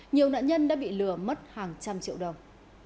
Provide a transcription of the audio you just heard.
nhiều nạn nhân đã bị lừa mất hàng trăm triệu đồng